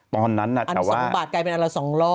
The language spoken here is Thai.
ตอนนั้นแต่ว่าอันนี้๒ปาทไกลเป็น๒๐๐บาท